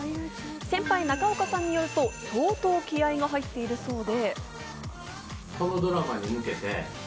先輩・中岡さんによると、相当気合いが入っているそうで。